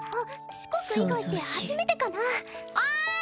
四国以外って初めておい！